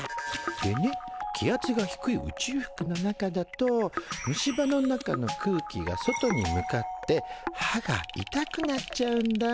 でね気圧が低い宇宙服の中だと虫歯の中の空気が外に向かって歯が痛くなっちゃうんだ。